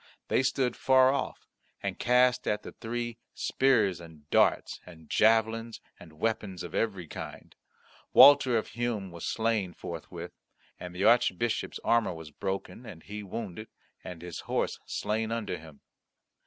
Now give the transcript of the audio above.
They stood far off, and cast at the three spears and darts and javelins and weapons of every kind. Walter of Hum was slain forthwith; and the Archbishop's armour was broken, and he wounded, and his horse slain under him.